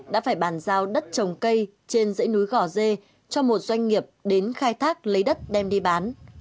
đã phải bàn giao đất trồng cây trên dãy núi gò dê cho một doanh nghiệp đến khai thác lấy đất đem đi bán